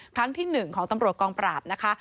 ครั้งที่๑ของตำรวจกองปราบนะคะ